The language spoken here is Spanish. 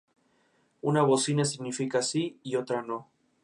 Una bocina significaba "sí" y otra "no".